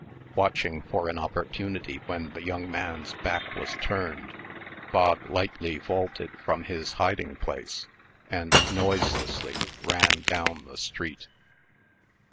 Watching for an opportunity when the young man's back was turned, Bog lightly vaulted from his hiding place, and noiselessly ran down the street.